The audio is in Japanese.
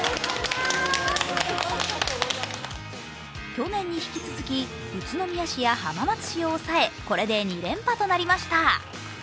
去年に引き続き、宇都宮市や浜松市を抑えこれで２連覇となりました。